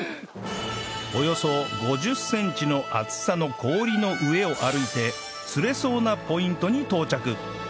およそ５０センチの厚さの氷の上を歩いて釣れそうなポイントに到着